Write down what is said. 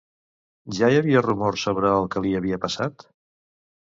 Ja hi havia rumors sobre el que li havia passat?